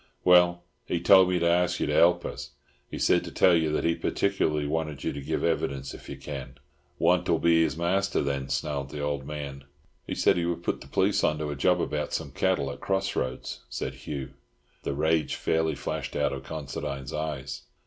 "Well, he told me to ask you to help us. He said to tell you that he particularly wanted you to give evidence if you can." "Want'll be his master, then," snarled the old man. "He said he would put the police on to a job about some cattle at Cross roads," said Hugh. The rage fairly flashed out of Considine's eyes.